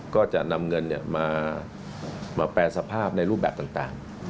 ก็จะนำเงินมาแปรสภาพในรูปแบบต่าง